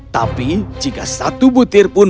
tapi jika satu butir pun